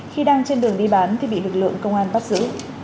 khi đang trên đường đi bán thì bị lực lượng công an bắt giữ